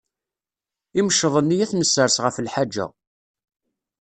Imceḍ-nni ad t-nessers ɣef lḥaǧa.